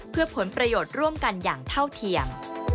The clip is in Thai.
เพื่อผลประโยชน์ร่วมกันอย่างเท่าเทียม